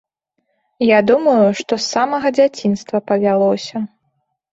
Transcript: Я думаю, што з самага дзяцінства павялося.